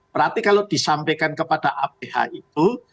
berarti kalau disampaikan kepada aph itu